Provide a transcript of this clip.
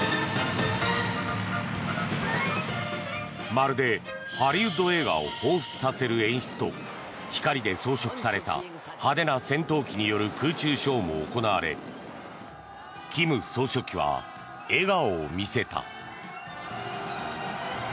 まるでハリウッド映画をほうふつさせる演出と光で装飾された派手な戦闘機による空中ショーも行われ金総書記は笑顔を見せた。